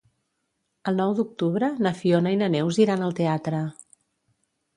El nou d'octubre na Fiona i na Neus iran al teatre.